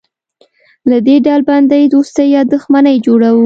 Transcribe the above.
له دې ډلبندۍ دوستي یا دښمني جوړوو.